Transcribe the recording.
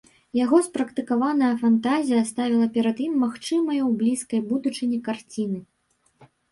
Яго спрактыкаваная фантазія ставіла перад ім магчымыя ў блізкай будучыні карціны.